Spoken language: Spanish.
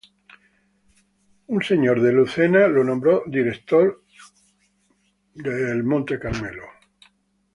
El obispo de Lucena le nombró director espiritual del seminario local de Monte Carmelo.